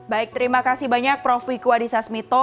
baik terima kasih banyak prof wiku adhisa smito